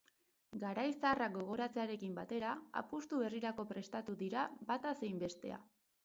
Garai zaharrak gogoratzearekin batera, apustu berrirako prestatuko dira bata zein bestea.